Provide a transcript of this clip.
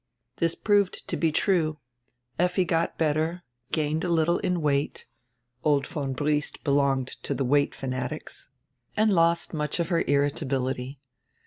This proved to be true. Effi got better, gained a little in weight (old von Briest belonged to the weight fanatics), and lost much of her irritability.